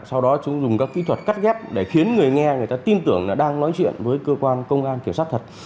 sau đó chúng dùng các kỹ thuật cắt ghép để khiến người nghe người ta tin tưởng là đang nói chuyện với cơ quan công an kiểm soát thật